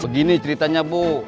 begini ceritanya bu